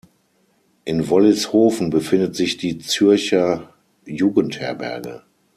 In Wollishofen befindet sich die Zürcher Jugendherberge.